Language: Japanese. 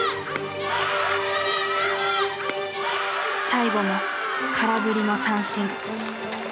最後も空振りの三振。